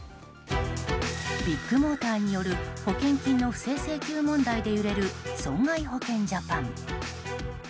ビッグモーターによる保険金の不正請求問題で揺れる損害保険ジャパン。